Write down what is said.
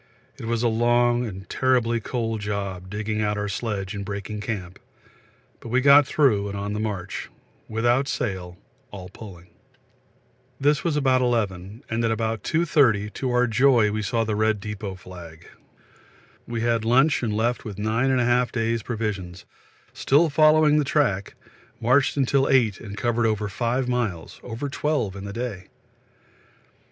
It was a long and terribly cold job digging out our sledge and breaking camp, but we got through and on the march without sail, all pulling. This was about 11, and at about 2.30, to our joy, we saw the red depôt flag. We had lunch and left with 9 1/2 days' provisions, still following the track marched till 8 and covered over 5 miles, over 12 in the day.